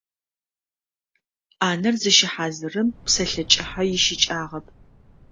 Ӏанэр зыщыхьазырым псэлъэ кӏыхьэ ищыкӏагъэп.